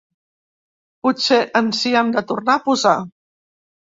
Potser ens hi hem de tornar a posar.